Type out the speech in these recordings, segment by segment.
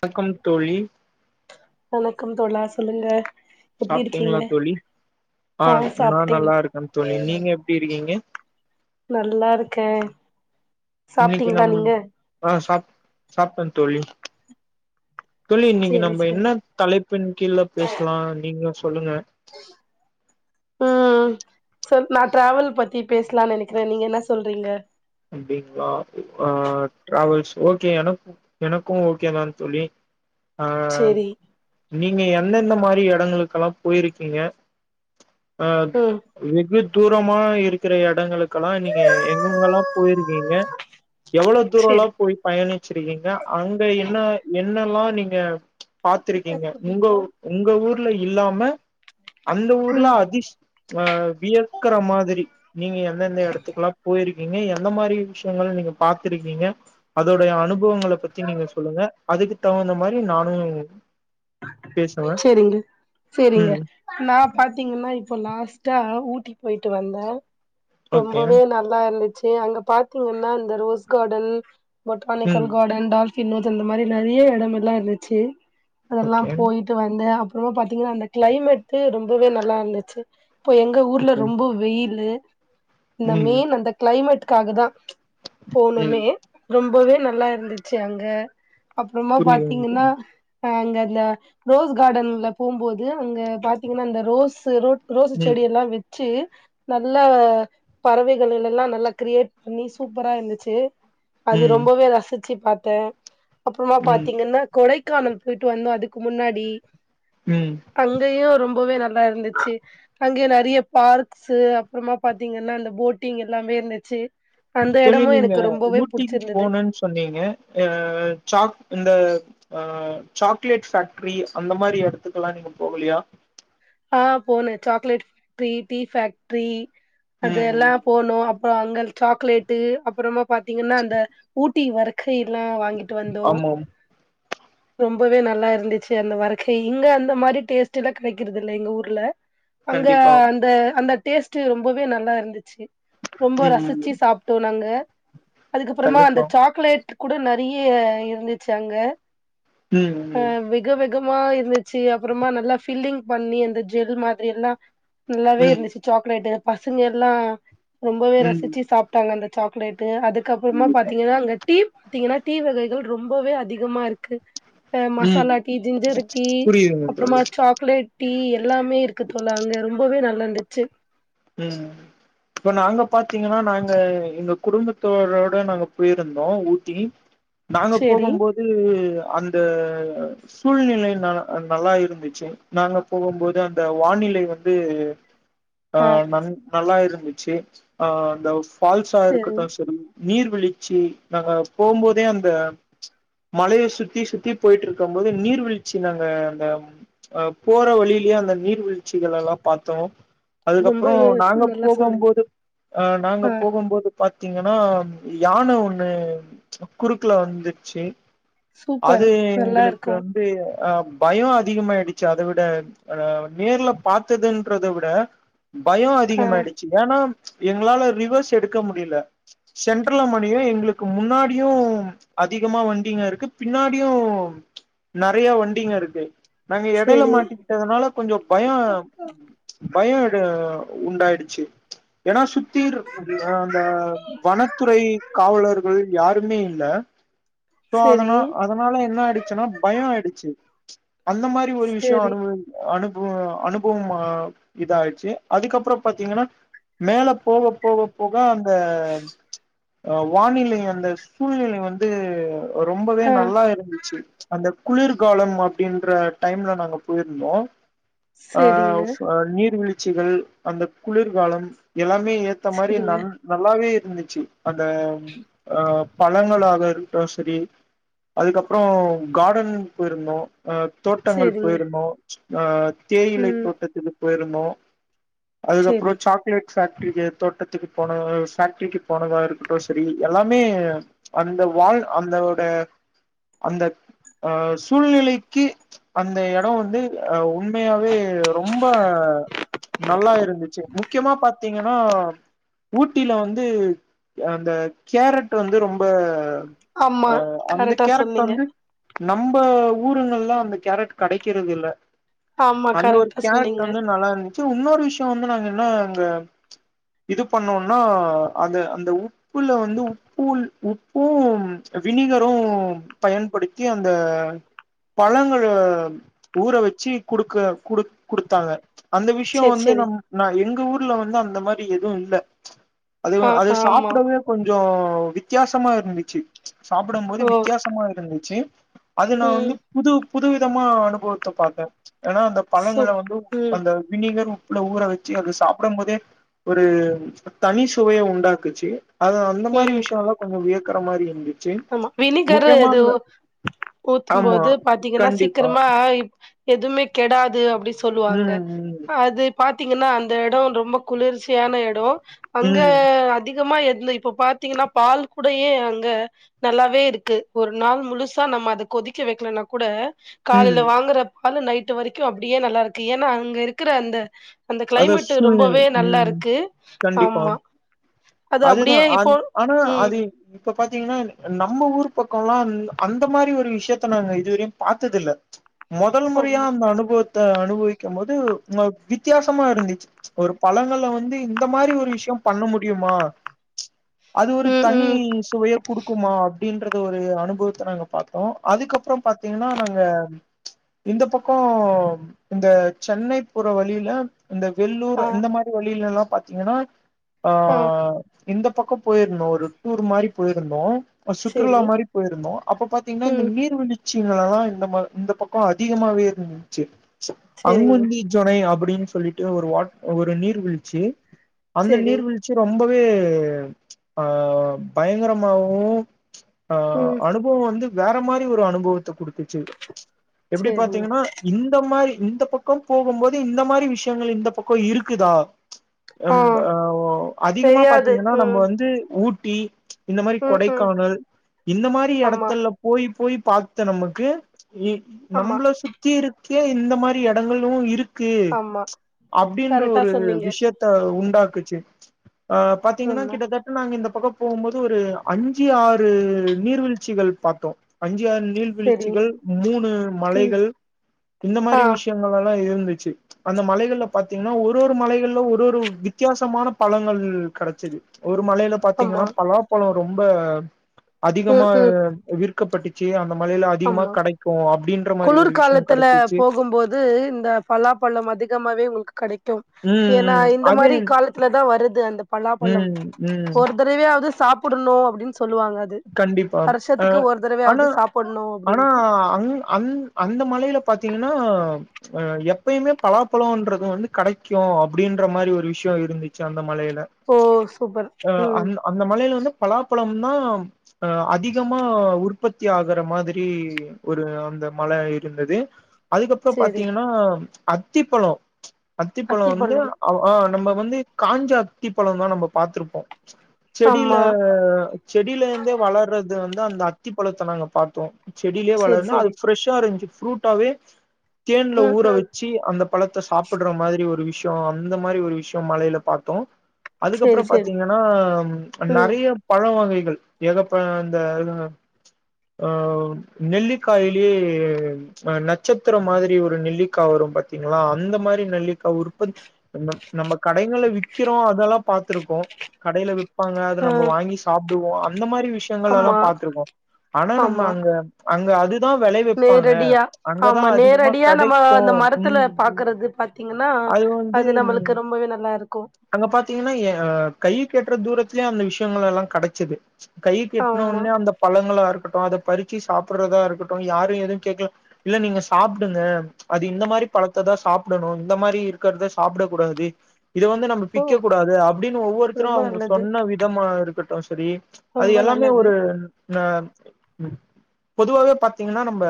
வணக்கம் தோழி வணக்கம் தோழா சொல்லுங்க எப்டி இருக்கீங்க சாப்டீங்களா தோழி ஆ நா நல்லா இருக்கேன் தோழி நீங்க எப்டி இருக்கீங்க நல்லாருக்கே இன்னக்கி நம் ஆ சாப் சாப்ட்டே தோழி தோழி இன்னக்கி சேரி நம்ம சேரி என்ன தலைப்பின் கீழ பேசலா நீங்க சொல்லுங்க ம் சோ நா டிராவல் பத்தி பேசலான்னு நெனைக்கிறே நீங்க என்ன சொல்றீங்க அப்டிங்களா ஆ டிராவல்ஸ் ஓகே எனக்கு எனக்கு ஓகே தா தோழி அ சேரி நீங்க எந்தெந்த மாரி எடங்களுக்கெல்லா போயிருக்கீங்க அ ம் வெகு தூரமா இருக்கிற எடங்களுக்கெல்லா நீங்க எங்கெங்கல்லா போயிருக்கீங்க எவ்ளோ தூர எல்லா சேரி போயி பயணிச்சிருக்கீங்க அங்க என்னா என்னல்லா நீங்க பாத்திருக்கீங்க உங்க உங்க ஊர்ல இல்லாம அந்த ஊர்ல ம் அதிஷ் ஆ வியக்குற மாதிரி நீங்க எந்தெந்த எடத்துக்கெல்லா போயிருக்கீங்க எந் எந்த மாரி விஷயங்கள நீங்க பாத்துருக்கீங்க அதோடைய அனுபவங்கள பத்தி நீங்க சொல்லுங்க அதுக்குத்தவுந்த மாரி நானு பேசுவே சேரிங்க சேரிங்க ம் நா பாத்தீங்கன்னா இப்போ லாஸ்ட்டா ஊட்டி போயிட்டு வந்தே ஓகே ரொம்பவே நல் லா இருந்துச்சு அங்க பாத்தீங்கன்னா அந்த ரோஸ் கார்டன் பொட்டானிக்கல் ம் கார்டன் டால் பின் நோஸ் இந்த மாரி நெறைய எடமெல்லா இருந்துச்சு அதெல்லா ஓகே போயிட்டு வந்து அப்றோ பாத்தீங்கன்னா அந்த கிளைமேட்டு ரொம்பவே நல்லா இருந்துச்சு இப்போ எங் உங்க ஊர்ல ஓகே ரொம்ப வெயிலு இந்த ம் மெயின் அந்த கிளைமேட்டு்காக தா போணமே ம் ரொம்பவே நல்லா இருந்துச்சு அங்க அப்றோமா பாத்தீங்கன்னா புரியுதுங்க அங்க அந்த ரோஸ் கார்டன்ல போம்போது அங்க பாத்தீங்கன்னா இந்த ரோஸு ரோ ரோசு ம் செடியெல்லா வச்சீ நல்லா பறவைகளிளெல்லலா நல்லா கிரியேட் பண்ணி நல்லா சூப்பரா இருந்துச்சு அது ம் ரொம்பவே ரசிச்சு பாத்தே அப்றோமா ம் பாத்தீங்கன்னா கொடைக்கானல் போயிட்டு வந்தோ அதுக்கு முன்னாடி ம் அங்கயு ரொம்பவே நல்லா இருந்துச்சு அங்கே நெறைய பார்க்ஸ் அப்றோமா பாத்தீங்கன்னா அந்த போட்டிங் எல்லாமே இருந்துச்சு அந்த எடமு எனக்கு ரொம்பவே புடிச்சிருந்தது பண்ணிங்க அ சாக் இந்த அ சாக்லேட் ஃபேக்ட்ரி அந்த மாரி எடத்துக்கு எல்லா நீங்க போகலியா ஆ போன சாக்லேட் ஃபேக்ட்ரி டீ ஃபேக்ட்ரி ம் அதெல்லா ம் போனோ அங்க சாக்லேட்டு அப்றோமா பாத்தீங்கன்னா அந்த ஊட்டி வர்க்கை எல்லா வாங் வாங்கிட்டு வந்தோ ஆமாம் ரொம்பவே நல்லா இருந்துச்சு அந்த வர்க்கை இங்க அந்த மாதிரி டேஸ்ட் எல்லா கெடைக் கிறது இல்ல எங்க ஊர்ல அங்க கண்டிப்பா அந்த அந்த டேஸ்ட் ரொம்பவே நல்லா இருந்துச்சு ரொம்ப ம் ம் ரசிச்சு சாப்ட்டோ நாங்க அதுக்கப்றோமா அந்த கண்டிப்பா சாக்லேட் கூட நெறைய இருந்துச்சு அங்க ம் ம் விக விகமா இருந்துச்சு அப்றோமா நல்லா பில்லிங் பண்ணி அந்த ஜெல் மாதிரி எல்லா நல்லாவே ம் இருந்துச்சு சாக்லேட்டு் பசங்க எல்லா ரொம்பவே ம் ரசிச்சு சாப் டாங்க அந்த சாக்லேடட்டு அதுக்கப்றோமா கண்டிப்பா பாத்தீங்கன்னா அங்க டீ பாத்தீங்கன்னா டீ வகைகள் ரொம்பவே அதிகமா இருக்கு ம் மசாலா டீ ஜிஞ்சர் டீ புரியுதுங்க அப்றோமா தோழி சாக் சாக்லேட் டீ எல்லாமே இருக்கு தோழா அங்கே ரொம்பவே நல்லா இருந்துச்சு ம் இப்ப நாங்க பாத்தீங்கன்னா நாங்க எங்க குடும்பத்தோரோட நாங்க போயிருந்தோ ஊட்டி நாங்க சேரி போகு போது அந்த சூழ்நிலை ந நல்லா இருந்துச்சு நாங்க போகுபோது அந்த வானிலை வந்து ஆ ந நல்லா இருந்துச்சு அ இந்த ஃபால்ஸா சேரி இருக்கட்டு சரி நீர்விழ்ச்சி நாங்க போம்போதே அந்த மழைய சுத்தி சுத்தி போய்ட்டு இருக்கும் போது நீர்வீழ்ச்சி நாங்க அந்த அ போற வழியிலேயே அந்த நீர்வீழ்ச்சிகளல்லா பாத்தோ அதுக்கப்புறோ ரொம்பவே நாங்க ஸ்- நல்லா போகும் சொன்னீங்க போது அ நாங்க ஆ போகும்போது பாத்தீங்கன்னா யான ஒண்ணு குறுக்குல வந்துருச்சு சூப்பர் அது நல்லா எங்களுக்கு இருக்கு வந்து அ பயோ அதிகமாயிடுச்சு அத விட ஆ நேர்ல பாத்ததுன்றத விட பயோ ஆ அதிகமாயி ச்சு ஏன்னா எங்களால ரிவர்ஸ் எடுக்க முடியல சென்ட்ரல மாட்டிக்ரோ எங்களுக்கு முன்னாடியு அதிகமா வண்டிங்க இருக்கு பின்னாடியு நிறைய வண்டிங்க இருக்கு நாங்க இடையில சேரி மாட்டிக்கிட்டதுனால கொஞ்சோ பயோ பயோ உண்டாயிடுச்சு ஏன்னா சுத்திருக்க கூடிய அந்த வனத்துறை காவலர்கள் யாருமே இல்ல சோ சேரி அதன அதனால என்ன ஆயிடுச்சுன்னா பயோ ஆயிடுச்சு அந்த மாரி ஒரு விஷயோ சேரி அனுப அனுப அனுபவமா இதாய சு அதுக்கப்புறோ பாத்தீங்கன்னா மேல போக போக போக அந்த அ வானிலை அந்த சூழ்நிலை வந்து ரொம்பவே ஆ நல்லா இருந்துச்சு அந்த குளிர்காலம் அப்டின்ற டைம்ல நாங்க போயிருந்தோ ஆ செரிங்க, நீர்வீழ்ச்சிகள் அந்த குளிர்காலம் எல்லாமே ஏத்த மாரி செரிங்க, நல் நல்லாவே இருந்துச்சு அந்த அ பழங்களாக இருக்கட்டு சரி அதுக்கப்புறோ கார்டன் போயிருந்தோ அ தோட்டங்கள் செரிங்க. போயிருந்தோ அ தேயிலை ம். தோட்டத்துக்கு போயிருந்தோ அதுக்கப்புறோ செரி. சாக் ரி [unintelligible] தோட்டத்துக்கு போனோ ஃபேக்டரிக்கு போனதா இருக்கட்டு சரி எல்லாமே அந்த வாழ் அந்தோட அந்த அ சூழ்நிலைக்கு அந்த எடோ வந்து அ உண்மையாவே ரொம்ப நல்லா இருந்துச்சு முக்கியமா பாத்தீங்கன்னா ஊட்டில வந்து அந்த கேரட் வந்து ரொம்ப ஆமா. அ அந்த கரெக்ட்டா கேரட் சொன்னீங்க. வந்து நம்ப ஊருங்கள்லா அந்த கேரட் கிடைக்கிறது இல்ல ஆமா அந்த ஒரு கரெக்ட்டா கேரட் சொன்னீங்க. டுவந்து நல்லா இருந்துச்சு இன்னொரு விஷயோ வந்து நாங்க என்ன அங்க இது பண்ணோனா அந்த அந்த ஊட் உப்புல வந்து உப்பு உப்பு வினிகரு பயன்படுத்தி அந்த பழங்கள ஊற வச்சு குடுக்க குடு குடுத்தாங்க அந்த விஷயோ செரி, வந்து செரி. நம் ந எங்க ஊர்ல வந்து அந்த மாதிரி எதுவு இல்ல அது ஆ அது ஆமா. சாப்படவே கொஞ்சோ வித்தியாசமா இருந்துச்சு சாப்பிடும் போது ஓ! வித்தியாசோ இருந்துச்சு அது நா வந்து ம். புது புது விதமா அனுபவத்த பாத்தே ஏன்னா அந்த பழங்கள சூப் வந்து ம், அந்த வினிகர் உப்புல ஊற வச்சு அத சாப்பிடும் போதே ஒரு தனி சுவைய உண்டாக்குச்சு அது அந்த மாதிரி ம். விஷயோல்லா கொஞ்சோ வியக்குற மாரி இருந்துச்சு ஆமா வினிகரு முக்கியமா இது அந்த ஆமா ஊத்தும்போது பாத்தீங்கன்னா கண்டிப்பா சீக்கிரமா எதுமே கெடாது அப்டி சொல்லுவாங்க ம் ம் அது பாத்தீங்கன்னா அந்த எடோ ரொம்ப குளிர்ச்சியான எடோ அங்க ம் அதிகமான எந்த இப்ப பாத்தீங்கன்னா பால் கூடயே அங்க நல்லாவே இருக்கு ஒரு நாள் முழுசா நம்ம அத கொதிக்க வைக்கலனா கூட காலையில ம் வாங்குற பாலு நைட்டு வரைக்கு அப்டியே நல்லா இருக்கு ஏனா அங்க இருக்கிற அந்த அந்த அதா கிளைமேட் சூழ்நிலை ரொம்பவே நல்லா ம் இருக்கு கண்டிப்பா ஆமா அது அதுதா அப்டியே அ இப்போ ஆனா ம் அது இப்ப பாத்தீங்கன்னா நம்ம ஊர் பக்கோல்லா இ அந்த மாரி ஒரு விஷயத்த நாங்க இதுவரையு பாத்ததில்ல முதல் முறையா ஆமா அந்த அனுபவத்த அனுபவிக்கு போது ம் வித்தியாசமா இருந்துச்சு ஒரு பழங்கள்ல வந்து இந்த மாரி ஒரு விஷ்யம் பண்ண முடியுமா அது ஒரு ம் தனி ம் சுவையக் குடுக்குமா அப்டின்றத ஒரு அனுபவத்த நாங்க பாத்தோ அதுக்கப்றோ பாத்தீங்கன்னா நாங்க இந்த பக்கோ இந்த சென்னை போற வழியில இந்த வெள்ளூர் ஆ இந்த மாதிரி வழியிலல்லா பாத்தீங்கன்னா அ ஆ இந்த பக்கோ போயிருந்தோ ஒரு டூர் மாரி போயிருந்தோ ஒரு சுற்றுலா செரி மாரி போயிருந்தோ அப்ப பாத்தீங்கன்னா இந்த ம் நீர் வீழ் ச்சி எல்லா இந்த பக்கோ அதிகமாவே இருந்துச்சு அங்க செரிங்க வந்தி ச்சோனை அப்டின்னு சொல்லிட்டு ஒரு வாட் ஒரு நீர்வீழ்ச்சி அந்த செரி நீர்வீழ்ச்சி ரொம்ப வே அ‌‌ பயங்கரமாவு ம் அனுப் னுபவ வந்து வேற மாரி ஒரு அனுபவத்த குடுத்துச்சு எப்டி செரிங்க பாத்தீங்கன்னா இந்த மாரி இந்த பக்கோ போகும்போது இந்த மாரி விஷயங்கள் இந்த பக்கோ இருக்குதா ஆ ம் அ அதிகமா தெரியாது பாத்தீங்கன்னா நம்ம ம் வந்து ஊட்டி இந்த மாரி ம் ம் கொடைக்கானல் இந்த மாரி ஆமா எடத்துல போய் போய் பாத்தா நமக்கு இவ் ஆமா நம்ள சுத் தியே இருக்கே இந்த மாரி எடங்களு இருக்கு ஆமா அப்டின்ற கரெக்டா ஒரு சொன்னீங்க விஷயத் த உண்டாக்குச்சு அ பாத்தீங்கன்னா ஆமா கிட்டத்தட் நாங்க இந்த பக்கோ போகும்போது ஒரு அஞ்சு ஆறு நீர்வீழ்ச்சிகள் பாத்தோ அஞ்சு ஆறு செரி நீர்வீழ்ச்சிகள் மூணு ம் மலைகள் இந்த ஆ மாரி விஷ்ய அந்த மாரில்லா இருந்துச்சு அந்த மலைகள்ல பாத்தீங்கன்னா ஒரு ஒரு மலைகள்ல ஒரு ஒரு வித்தியாசமான பழங்கள் கெடச்சது ஒரு மலையில பாத்தீங்கன்னா ஆமா பலாப்பழ ரொம்ப ம் அதிகமா ம் விற்கப்பட்டுச்சு அந்த மலையில அதிகமா ஆமா கெடைக்கு அப்டின்ற மாரி ஒரு விஷ்யோ கெடச்சுச்சு து இந்த பலாபழம் அதிகமாவே உங்களுக்கு கெடைக்கும் ம் ஏனா ம் இந்த அது மாரி காலத் துல தா வருது அந்த பலாபழம் ம் ம் ஒரு தடவயாவது சாப்புடணு அப்டின்னு சொல்லுவாங்க அது கண்டிப்பா அ வருஷத்துக்கு ஒரு ஆனா தடவையாவது சாப்புட்ணு ஆனா அப்டின்ட்டு அங்க அந் அந்த மலையில பாத்தீங்கன்னா அ எப்பயுமே பலாபழம்ன்றது வந்து கெடைக்கு அப்டின்ற மாரி ஒரு விஷ்யோ இருந்துச்சு அந்த மலையில ஓ சூப்பர் அ ம் அந்த அந்த மலையில வந்து பலாப்பழம்தா அ அதிகமா உற்பத்தி ஆகுற மாதிரி ஒரு அந்த மல இருந்தது அதுக்கப்றோ சேரி பாத்தீங்கன்னா அத்திப்பழோ அத்திப்பழோ வந்து அத்திப்பழம் அவ ஆ நம்ம வந்து காஞ்ச அத்தி பழம்தா நம்ம பாத்திருப்போ செடியில ஆமா செடியில இருந்தே வளர்றது வந்து அந்த அத்திப்பழத்த நாங்க பாத்தோ செடியிலே சேரி வளர்னு அது சேரி ஃப்ரெஷ்ஷா இருந்துச்சு ஃப்ரூட்டாவே தேன்ல ம் ஊற ம் வச்சு அந்த பழத்த சாப்பிடுற மாரி ஒரு விஷ்யோ அந்த மாரி ஒரு விஷ்யோ மலையில பாத்தோ அதுக்கப்பற சேரி சேரி பாத்தீங்கன்னா ம் நெறைய பழ வகைகள் ஏகப்ப அந்த ஆ நெல்லிக்காயிலே ஆ நட்சத்திரம் மாதிரி ஒரு நெல்லிக்கா வரும் பாத்தீங்களா அந்த மாதிரி நெல்லிக்கா உற்பத் பண்ணு நம்ம கடைங்கள விக்கிறோ அதெல்லா பாத்துருப்போ கடையில விப்பாங்க அத ஆ நம்ம வாங்கி சாப்டுவோ அந்த மாரி விஷயங்கள் எல்லா ஆமா பாத்துருக்கோ ஆனா நம்ம ஆமா அங்க அங்க அதுதா வெலை நேரடியா ஆமா நேரடியா நம்ம கெடைக்கு அந்த மரத்துல ம் பாக்குறது பாத் பாத்தீங்கன்னா அது நம்மளுக்கு ரொம்பவே நல்லா இருக்கு அங்க பாத்தீங்கன்னா ஏ கைக் எட்டுற தூரத்துலயே அந்த விஷயங்கள் எல்லா கெடைச்சிது கைக்கு ஆமா எட்னவொன்னே அந்த பழங்களா இருக்கட்டு அத பறிச்சு சாப்புறதா இருக்கட்டு யாரு எதுவு கேக்கல இல்ல நீங்க சாப்டுங்க அது இந்த மாரி பழத்த தா சாப்புடணு இந்த மாரி இருக்கறத சாப்டக் கூடாது இத வந்து நம்ம ஓ பிக்கக் கூடாது அப்டின்னு ஒவ்வொருத்தரு ரொம்ப அவுங்க நல்லது சொன்ன விதமா இருக்கட்டு சரி அது ரொம்ப எல்லாமே நல்லது ஒரு நா மீ பொதுவாவே பாத்தீங்கன்னா நம்ப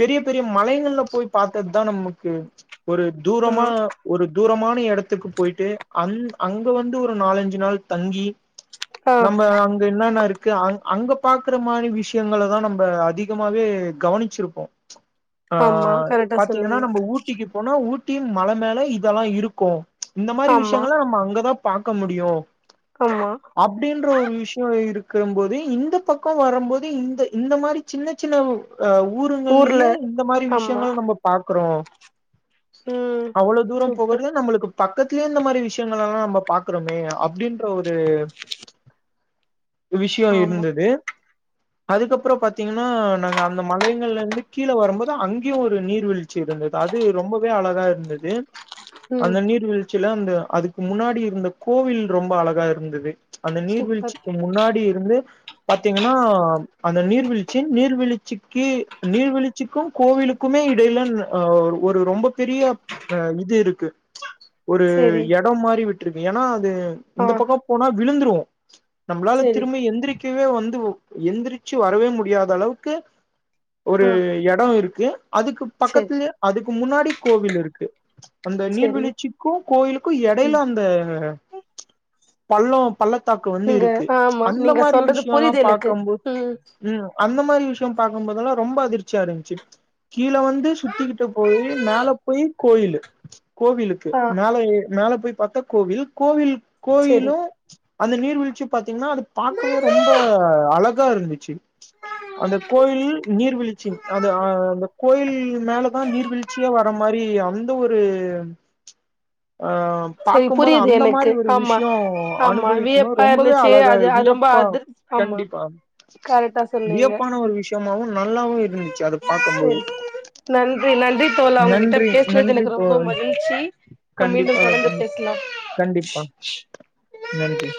பெரிய பெரிய மலைங்கள்ல போய் பாத்தது தா நமக்கு ஒரு தூரமா ஆமா ஒரு தூரமான எடத்துக்கு போயிட்டு அங் அங்க வந்து ஒரு நாலஞ்சு நாள் தங்கி ஆ நம்ப அங் இது என்னன்ன இருக்கு அங் அங்க பாக்குற மாரி விஷயங்கள தா நம்ப அதிகமாவே கவனிச்சிருப்போம் ஆ ஆமா கரெக்டா பாத்தீங்கன்னா சொன்னீங்க நம்ம ஊட் டிக்கு போனா ஊட்டி மல மேல இதெல்லா இருக்கு இந்த மாரி ஆமா விஷயங்கள்லா நம்ம அங்கதா பாக்க முடியு ஆமா அப்டின்ற ஒரு விஷய இருக்கும் போது இந்த பக்கம் வரம்போது இந்த இந்த மாரி சின்ன சின்ன ஆ ஊர்ல ஊருங்கள்லயே இந்த மாரி ஆமா விஷயங்கள் நம்ப பாக்குறோ ம் அவ்வளோ தூர சூப்பர் போகறது நம்பளுக்கு பக்கத்துலயே இந்த மாரி விஷயங்கள் எல்லா நம்ப பாக்குறோமே அப்டின்ற ஒரு விஷ்யோ ஆமா இருந்தது அதுக்கப்புற பாத்தீங்கன்னா நாங்க அந்த மலைங்கள்ல இருந்து கீழே வரும்போது அங்கேயு ஒரு நீர்வீழ்ச் சி இருந்தது அது ரொம்பவே அழகா இருந்தது ம் அந்த நீர்வீழ்ச்சில அந்த அதுக்கு முன்னாடி இருந்த கோவில் ரொம்ப அழகா இருந்தது அந்த சூப்பர் நீர்வீழ்ச்சிக்கு முன்னாடி இருந்து பாத்தீங்கன்னா அந்த நீர்வீழ்ச்சி நீர் நீர்வீழ்ச்சிக்கு நீர்வீழ்ச்சிக்கும் கோவிலுக்குமே இடையில ஆ ஒரு ரொம்ப பெரிய ஆ இது இருக்கு ஒரு செரி எடம் மாரி விட்டுருக்கு ஏன்னா அது ஆ இந்த பக்க போனா விழுந்துருவோ நம்பளால செரி திரும்ப எந்திரிக்கவே வந்து ஓ எந்திரிச்சு வரவே முடியாத அளவுக்கு ஒரு ஆ எடம் இருக்கு அதுக்கு செரி பக்கத்துலேயே அதுக்கு முன்னாடி கோவில் இருக்கு அந்த செரி நீர்வீழ்ச்சிக்கு கோயிலுக்கு எடையில ம் அந்த பள்ளம் பள்ளத்தாக்கு வந்து நீங்க இருக்கு ஆமா அந்த நீங்க மாரி சொல்றது விஷயல்லா புரியுது எனக்கு பாக்கும் போது ம் ம் அந்த மாரி விஷயம் பாக்கும் போதுல்லா ரொம்ப அதிர்ச்சியா இருந்துச்சு கீழ வந்து சுத்திக்கிட்டு போயி மேலே போய் கோயிலு கோவிலு ஆ மேல ஏற் மேல போய் பாத்தா கோவில் கோவில் செரி கோயிலும் அந்த நீர்வீழ்ச்சி பாத்தீங்கன்னா அது பாக்கவே ரொம்ப அழகா இருந்துச்சு அந்த கோயில் நீர்வீழ்ச்சி அது ஆ அந்த கோயில் மேலதா நீர்வீழ்ச்சியே வர மாரி அந் த ஒரு ஆ செரி பாக்கும்போது புரியுது அந்த எனக்கு மாரி ஒரு ஆமா விஷயம் ஆமா அனுபவிக்கும்போது வியப்பா ரொம் இருந்துச்சு அழகா அது அது ரொம்ப வியப்பா அதிர் ஆமா கண்டிப்பா கரெக்டா சொன்னீங்க வியப்பான ஒரு விஷ்யமாவு நல்லாவு இருந்துச்சி அத பாக்க சரி போது நன்றி நன்றி தோழா உங்க கிட்ட பேசுறது நன்றி எனக்கு ரொம்ப தோழி மகிழ்ச்சி நம் மீண்டும் கண்டிப்பாக தொடர்ந்து தோழி பேசலா கண்டிப்பா நன்றி